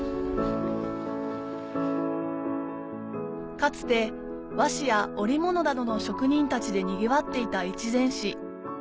かつて和紙や織物などの職人たちでにぎわっていた越前市